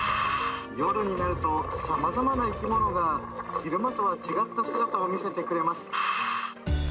夜になるとさまざまな生き物が昼間とは違った姿を見せてくれます。